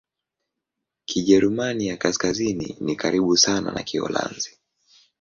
Kijerumani ya Kaskazini ni karibu sana na Kiholanzi.